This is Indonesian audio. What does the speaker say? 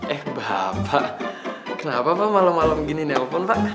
eh bapak kenapa malam malam gini nelfon pak